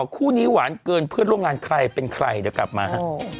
คู่นี้หวานเกินเพื่อนร่วมงานใครเป็นใครเดี๋ยวกลับมาฮะ